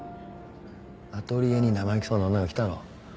アトリエに生意気そうな女が来たろ？